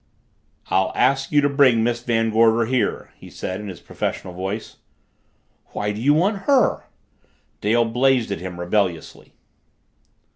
"I'll ask you to bring Miss Van Gorder here," he said in his professional voice. "Why do you want her?" Dale blazed at him rebelliously.